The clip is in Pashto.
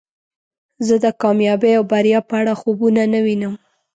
زه د کامیابۍ او بریا په اړه خوبونه نه وینم.